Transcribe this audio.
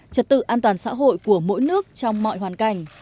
trật tự an toàn xã hội của mỗi nước trong mọi hoàn cảnh